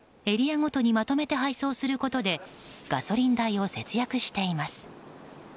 エリアごとにまとめて配送することでガソリン代を節約しています。